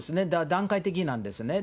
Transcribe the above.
段階的なんですね。